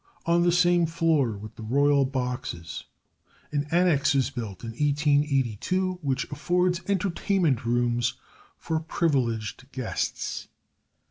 On the same floor with the royal boxes an annex was built in 1882, which affords entertainment rooms for privileged guests.